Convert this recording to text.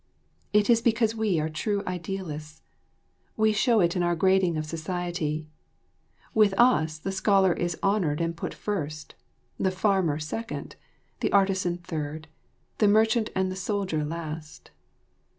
It is because we are true idealists. We show it in our grading of society. With us the scholar is honoured and put first, the farmer second, the artisan third, and the merchant and the soldier last.